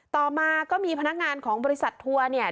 ต่อมาก็มีพนักงานของบริษัททัวร์เนี่ย